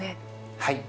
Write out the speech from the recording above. はい。